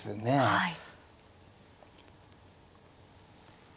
はい。